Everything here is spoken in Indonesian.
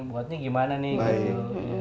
buatnya gimana nih gitu